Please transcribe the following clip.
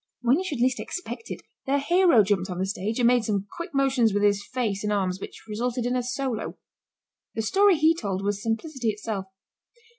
When you would least expect it the hero jumped on the stage and made some quick motions with his face and arms which resulted in a solo. The story he told was simplicity itself.